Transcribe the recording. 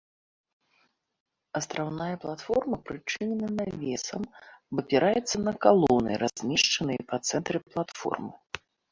Астраўная платформа прычынена навесам, абапіраецца на калоны, размешчаныя па цэнтры платформы.